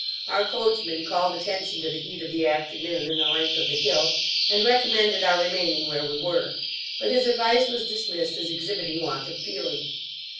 Our coachman called attention to the heat of the afternoon and the length of the hill, and recommended our remaining where we were; but his advice was dismissed as exhibiting want of feeling.